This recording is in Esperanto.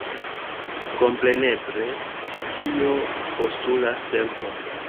Kompreneble tio postulas tempon.